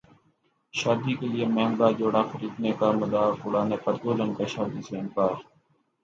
شادی کیلئے مہنگا جوڑا خریدنے کا مذاق اڑانے پر دلہن کا شادی سے انکار